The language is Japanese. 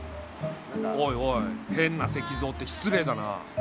おいおい変な石像って失礼だな。